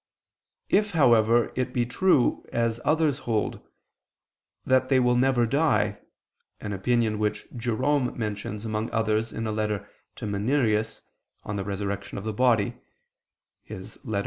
If, however, it be true, as others hold, that they will never die, (an opinion which Jerome mentions among others in a letter to Minerius, on the Resurrection of the Body Ep.